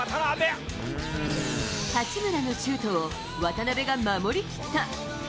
八村のシュートを渡邊が守り切った。